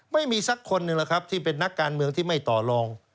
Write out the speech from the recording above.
ไม่มีสักคนหนึ่งแหละครับที่เป็นนักการเมืองที่ไม่ต่อลอง